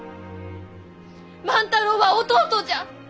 万太郎は弟じゃ！